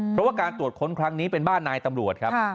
เพราะว่าการตรวจค้นครั้งนี้เป็นบ้านนายตำรวจครับ